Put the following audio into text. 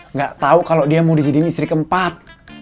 nggak tau kalo dia mau dijadiin istri keempat